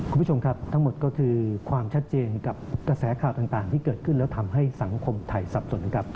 คุณผู้ชมครับทั้งหมดก็คือความชัดเจนกับกระแสข่าวต่างที่เกิดขึ้นแล้วทำให้สังคมไทยสับสนนะครับ